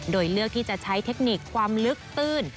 โดยเลือกที่จะใช้เทคนิคความลึกตื้น